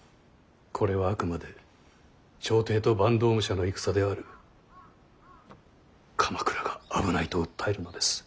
これはあくまで朝廷と坂東武者の戦である鎌倉が危ないと訴えるのです。